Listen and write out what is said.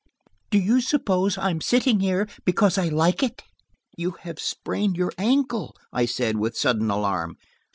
"Do you suppose I'm sitting here because I like it?" "You have sprained your ankle," I said, with sudden alarm.